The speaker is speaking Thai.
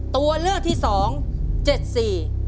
ตัวเลือกที่๒๗สี